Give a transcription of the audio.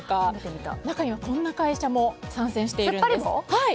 中にはこんな会社も参戦してるんです。